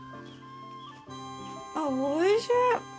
あっおいしい。